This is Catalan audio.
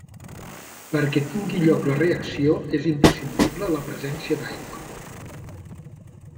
Perquè tingui lloc la reacció és imprescindible la presència d'aigua.